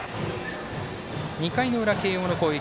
２回の裏、慶応の攻撃。